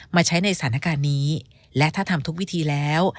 มาใช้ในสถานการณ์นี้และถ้าทำทุกวิธีแล้ว